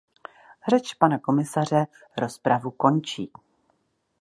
Řeč pana komisaře rozpravu končí.